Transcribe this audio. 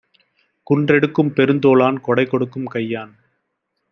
குன்றெடுக்கும் பெருந்தோளான் கொடைகொடுக்கும் கையான்!